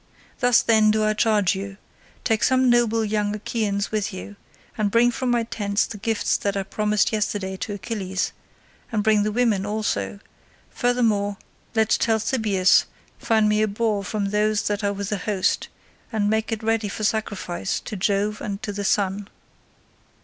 Thus, then, do I charge you: take some noble young Achaeans with you, and bring from my tents the gifts that I promised yesterday to Achilles, and bring the women also; furthermore let Talthybius find me a boar from those that are with the host, and make it ready for sacrifice to Jove and to the sun."